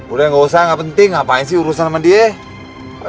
udah gak usah gak penting ngapain sih urusan sama dia